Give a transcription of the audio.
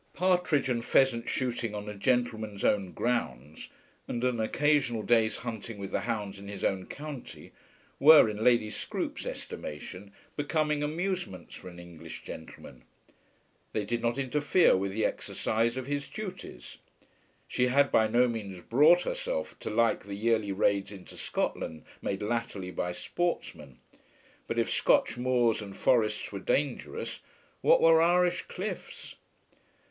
Partridge and pheasant shooting on a gentleman's own grounds, and an occasional day's hunting with the hounds in his own county, were, in Lady Scroope's estimation, becoming amusements for an English gentleman. They did not interfere with the exercise of his duties. She had by no means brought herself to like the yearly raids into Scotland made latterly by sportsmen. But if Scotch moors and forests were dangerous, what were Irish cliffs!